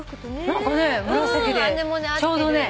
何かね